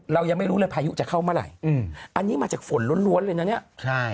เรายังไม่รู้เลยพายุจะเข้าเมื่อไหร่อืมอันนี้มาจากฝนล้วนเลยนะเนี่ยใช่